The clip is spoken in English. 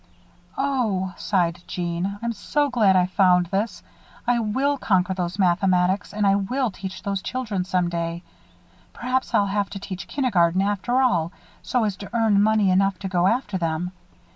"Oh," sighed Jeanne, "I'm so glad I found this. I will conquer those mathematics, and I will teach those children, some day. Perhaps I'll have to teach kindergarten after all, so as to earn money enough to go after them.